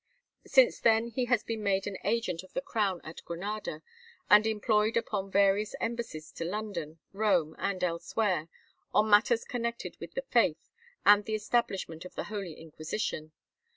"Since then he has been made an agent of the Crown at Granada, and employed upon various embassies to London, Rome, and elsewhere, on matters connected with the faith and the establishment of the Holy Inquisition.